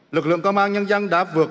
lực lượng công an nhân dân đã vượt